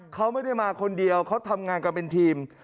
เขาไม่ได้มาคนเดียวเขาทำงานกันเป็นทีม